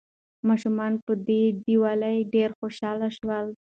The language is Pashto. ماشومان په دې ډالیو ډېر خوشاله شول.